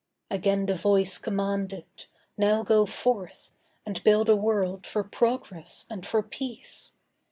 Again the Voice commanded: 'Now go forth And build a world for Progress and for Peace.